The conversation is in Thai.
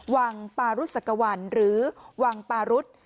วังปรุศกวรรณหรือวังปรุศ